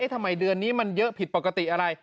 ทำไมเดือนนี้มันเยอะผิดปกติอะไร